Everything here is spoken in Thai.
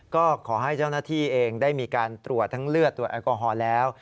ก็ขอให้เจ้าหน้าที่เองได้มีการตรวจทั้งเลือดตรวจแอลกอฮอล์แล้ว